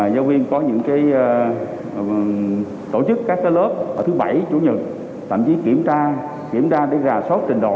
giáo viên có những tổ chức các lớp thứ bảy chủ nhật tạm chí kiểm tra để ra số trình độ